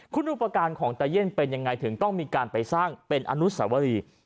คุณอุปการณ์ของตาเย่นเป็นยังไงถึงต้องมีการไปสร้างเป็นอนุสวรี